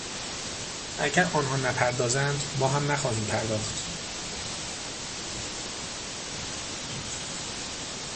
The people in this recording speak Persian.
اگر آنها نپردازند ما هم نخواهیم پرداخت.